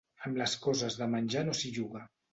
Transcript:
Amb les coses de menjar no s'hi juga.